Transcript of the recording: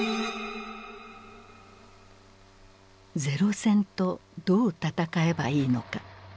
零戦とどう戦えばいいのか。